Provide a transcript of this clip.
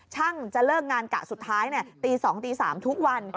ช่างจะเลิกงานกะสุดท้ายตี๒ตี๓ทุกวัน